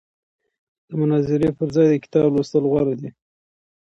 د مناظرې پر ځای د کتاب لوستل غوره دي.